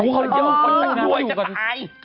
คนเยี่ยมคนต่างรวยจะตาย